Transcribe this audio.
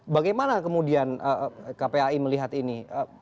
bagaimana kemudian kpai melihat ini